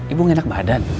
ibu ngenak badan